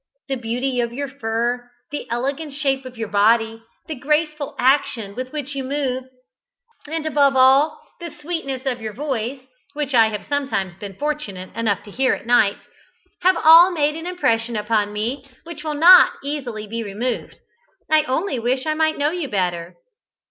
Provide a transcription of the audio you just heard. The beauty of your fur, the elegant shape of your body, the graceful action with which you move, and, above all, the sweetness of your voice (which I have sometimes been fortunate enough to hear at nights), have all made an impression upon me which will not easily be removed. I only wish I might know you better."